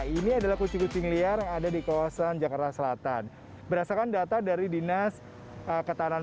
ini adalah kucing kucing liar yang ada di kawasan jakarta selatan berdasarkan data dari dinas ketahanan